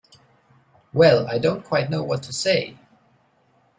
Well—I don't quite know what to say.